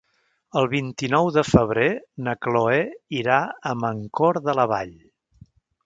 El vint-i-nou de febrer na Chloé irà a Mancor de la Vall.